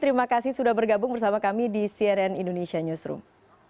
terima kasih sudah bergabung bersama kami di cnn indonesia newsroom